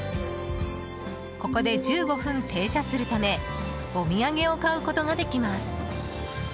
ここで１５分停車するためお土産を買うことができます。